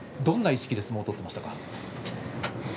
どんな意識で相撲を取っていましたか。